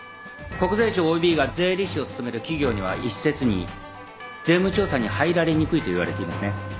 国税庁ＯＢが税理士を務める企業には一説に税務調査に入られにくいといわれていますね。